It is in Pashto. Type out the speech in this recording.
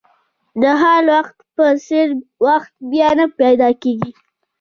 د حال وخت په څېر وخت بیا نه پیدا کېږي.